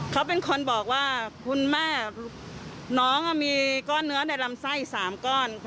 เขาเป็นคนบอกว่าคุณแม่น้องมีก้อนเนื้อในลำไส้๓ก้อน